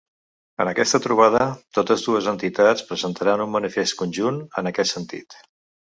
En aquesta trobada, totes dues entitats presentaran un manifest conjunt en aquest sentit.